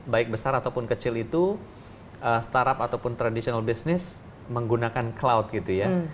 baik besar ataupun kecil itu startup ataupun tradisional business menggunakan cloud gitu ya